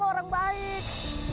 sakit banget cik